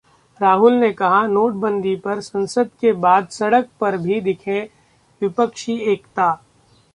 राहुल ने कहा- नोटबंदी पर संसद के बाद सड़क पर भी दिखे विपक्षी एकता